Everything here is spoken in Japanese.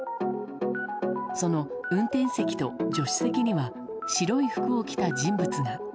その運転席と助手席には白い服を着た人物が。